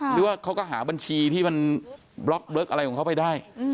หรือว่าเขาก็หาบัญชีที่มันบล็อกเบิร์กอะไรของเขาไปได้